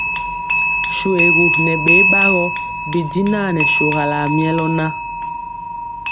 Shoégu nɛ bɛbagɔ bijinan nɛ shogala milœ nan.